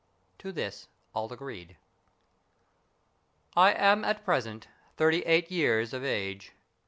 To this all agreed. " I am at present thirty eight years ol age.